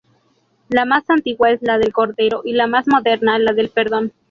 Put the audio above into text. La más antigua es la del Cordero y la más moderna, la del Perdón.